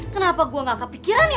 kenapa gue gak kepikiran ya